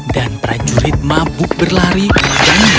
dan prajurit mabuk berlari ke jalan ini